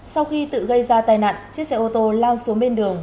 sau khi tự gây ra tai nạn chiếc xe ô tô lao xuống bên đường